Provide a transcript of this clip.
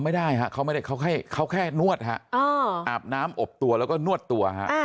ไม่ได้ฮะเขาไม่ได้เขาแค่นวดฮะอาบน้ำอบตัวแล้วก็นวดตัวฮะ